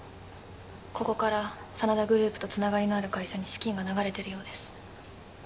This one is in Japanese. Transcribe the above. ここから真田グループとつながりのある会社に資金が流れてるようです